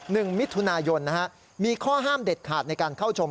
๑ณมิธุนายนมีข้อห้ามเด็ดขาดในการเข้าชม